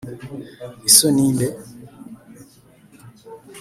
Iso ni inde